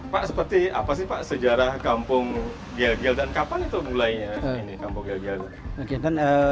pak seperti apa sih pak sejarah kampung gel gel dan kapan itu mulainya ini kampung gel gel